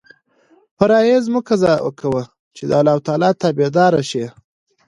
فرایض مه قضا کوه چې د اللهﷻ تابع دار شې.